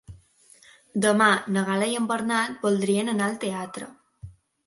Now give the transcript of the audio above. Demà na Gal·la i en Bernat voldria anar al teatre.